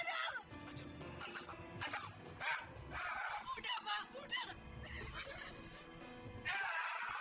peristiwa ini mengganggu semua aktivitasmu seperti peristiwa kamu diskon itu